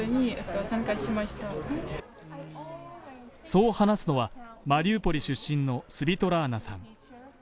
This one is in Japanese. そう話すのはマリウポリ出身のスヴィトラーナさん。